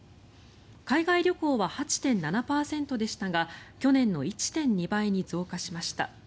海外旅行は８．７％でしたが去年の１．２倍に増加しました。